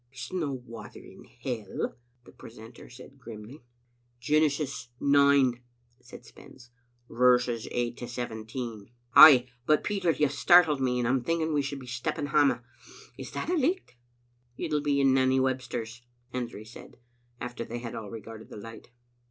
" There's no water in hell," the precentor said grimly. "Genesis ix.," said Spens, "verses 8 to 17. Ay, but, Peter, you've startled me, and I'm thinking we should be stepping hame. Is that a licht?" "It'll be in Nanny Webster's," Hendry said, after they had all regarded the light.